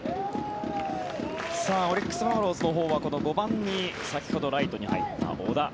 オリックス・バファローズのほうはこの５番に先ほどライトに入った小田。